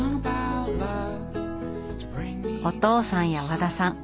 お父さんや和田さん